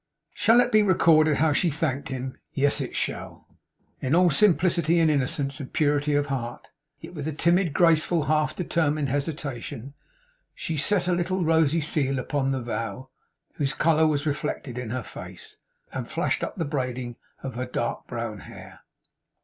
Shall it be recorded how she thanked him? Yes, it shall. In all simplicity and innocence and purity of heart, yet with a timid, graceful, half determined hesitation, she set a little rosy seal upon the vow, whose colour was reflected in her face, and flashed up to the braiding of her dark brown hair.